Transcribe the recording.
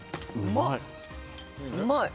うまい。